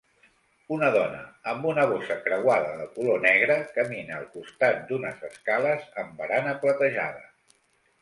Una dona amb una bossa creuada de color negre camina al costat d'unes escales amb barana platejada.